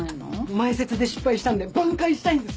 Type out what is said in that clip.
前説で失敗したんで挽回したいんです！